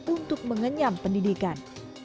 untuk mengenyam pendidikan